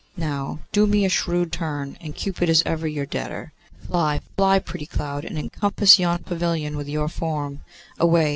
Now do me a shrewd turn, and Cupid is ever your debtor. Fly, fly, pretty cloud, and encompass yon pavilion with your form. Away!